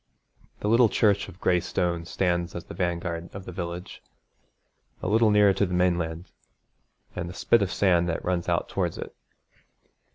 The little church of gray stone stands as the vanguard of the village, a little nearer to the mainland, and the spit of sand that runs out towards it.